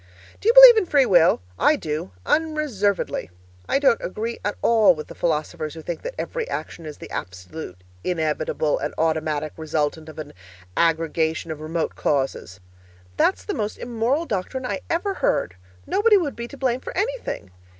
Do you believe in free will? I do unreservedly. I don't agree at all with the philosophers who think that every action is the absolutely inevitable and automatic resultant of an aggregation of remote causes. That's the most immoral doctrine I ever heard nobody would be to blame for anything.